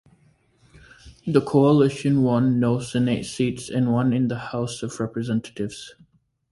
The coalition won no Senate seats and one in the House of Representatives.